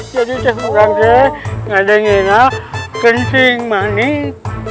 jadi kurang ngenal kencing manik